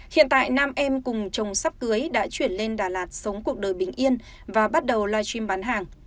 hiện tại nam em cùng chồng sắp cưới đã chuyển lên đà lạt sống cuộc đời bình yên và bắt đầu live stream bán hàng